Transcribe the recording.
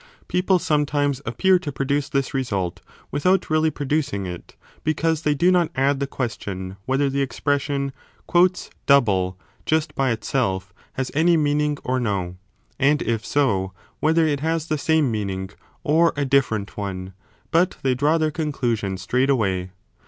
People sometimes appear to produce this result, without really producing it, because they do not add the question whether the expression double , just by itself, has any meaning or no, and if so, whether it has the same meaning, or a different one ; but they draw their conclusion straight 15 away.